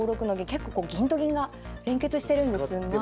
結構こう銀と銀が連結してるんですが。